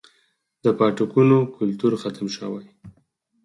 د پاټکونو کلتور ختم شوی